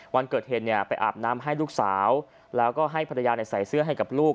วันเกิดเหตุเนี่ยไปอาบน้ำให้ลูกสาวแล้วก็ให้ภรรยาใส่เสื้อให้กับลูก